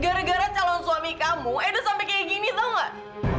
gara gara calon suami kamu ido sampe kayak gini tau gak